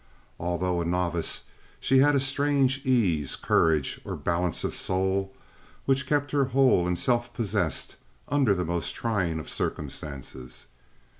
Although a novice, she had a strange ease, courage, or balance of soul which kept her whole and self possessed under the most trying of circumstances.